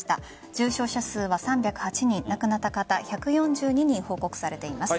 重症者数は３０８人亡くなった方１４２人報告されています。